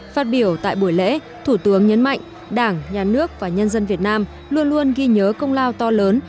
phát biểu tại buổi lễ thủ tướng nhấn mạnh đảng nhà nước và nhân dân việt nam luôn luôn ghi nhớ công lao to lớn